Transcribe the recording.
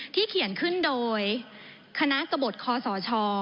ที่เขียนขึ้นโดยคณะกระบดคอสอชอ